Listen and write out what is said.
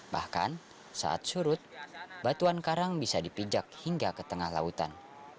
bahkan saat surut batuan karang bisa dipijak hingga ke tengah lautan